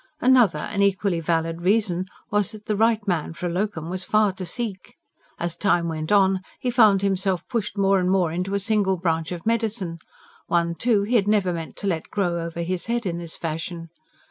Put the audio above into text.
Another and equally valid reason was that the right man for a LOCUM was far to seek. As time went on, he found himself pushed more and more into a single branch of medicine one, too, he had never meant to let grow over his head in this fashion.